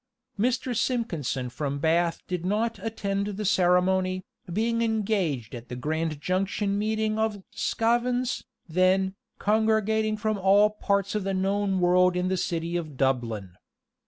Mr. Simpkinson from Bath did not attend the ceremony, being engaged at the Grand Junction meeting of Sçavans, then, congregating from all parts of the known world in the city of Dublin.